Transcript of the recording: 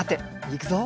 いくぞ。